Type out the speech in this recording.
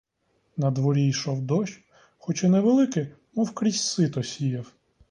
Надворі йшов дощ, хоч і невеликий — мов крізь сито сіяв.